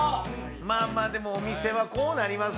まあまあでもお店はこうなりますよね。